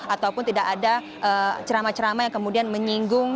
ataupun tidak ada ceramah ceramah yang kemudian menyinggung